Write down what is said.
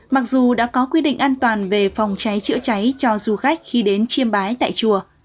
mặc dù đã có quy định an toàn về phòng cháy chữa cháy cho du khách khi đến chiêm bái tại chùa